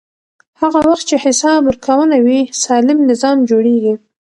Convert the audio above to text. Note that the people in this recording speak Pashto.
هغه وخت چې حساب ورکونه وي، سالم نظام جوړېږي.